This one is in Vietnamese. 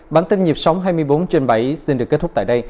bản tin nhịp sống hai mươi bốn trên bảy xin được kết thúc tại đây